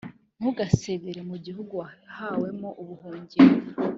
Ntugasebere mu gihigu wahawemo ubuhungiro